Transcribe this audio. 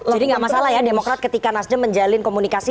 jadi gak masalah ya demokrat ketika nasdem menjalin komunikasi